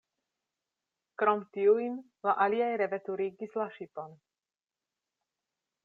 Krom tiujn, la aliaj reveturigis la ŝipon.